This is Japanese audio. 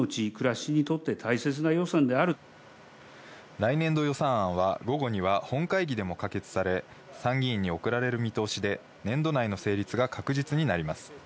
来年度予算案は午後には本会議でも可決され、参議院に送られる見通しで、年度内の成立が確実になります。